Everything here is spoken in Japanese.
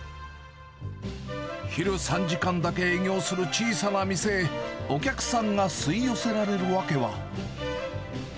昼３時間だけ営業する小さな店へ、お客さんが吸い寄せられる訳は。